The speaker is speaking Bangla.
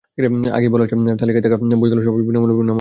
আগেই বলা হয়েছে, তালিকায় থাকা বইগুলো সবই বিনা মূল্যে নামানো যাবে।